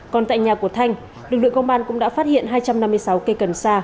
còn tại nhà của thanh lực lượng công an cũng đã phát hiện hai trăm năm mươi sáu cây cần sa